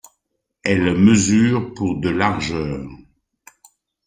Elle mesure pour de largeur.